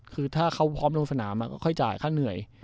คือถ้าเขาพร้อมลงสนามก็ค่อยจ่ายค่าเหนื่อย